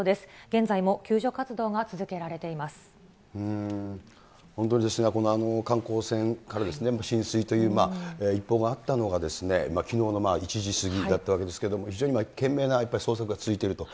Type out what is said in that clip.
現在も救助活動が続けられていま本当に、この観光船から浸水という一報があったのが、きのうの１時過ぎだったわけですけれども、非常に懸命な捜索が続いていると。